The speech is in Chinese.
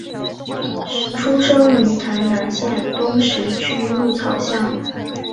出生于台南县东石区鹿草乡。